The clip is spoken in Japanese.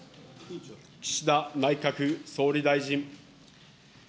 岸田内閣総理大臣。